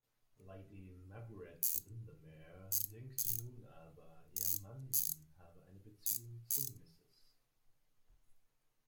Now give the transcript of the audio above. Lady Margaret Windermere denkt nun aber, ihr Mann habe eine Beziehung zu Mrs.